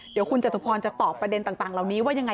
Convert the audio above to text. เดี๋ยวคุณจตุพรจะตอบประเด็นต่างเหล่านี้ว่ายังไง